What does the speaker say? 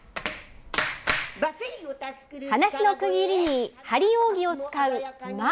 話の区切りに張り扇を使う間。